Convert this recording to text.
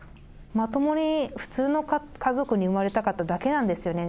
まともに普通の家族に生まれたかっただけなんですよね。